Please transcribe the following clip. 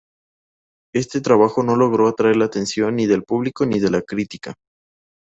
Este trabajo no logró atraer la atención ni del público y de la crítica.